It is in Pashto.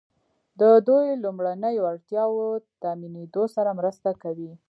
د دوی لومړنیو اړتیاوو تامینیدو سره مرسته کوي.